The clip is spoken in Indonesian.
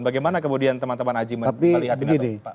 bagaimana kemudian teman teman aji melihatnya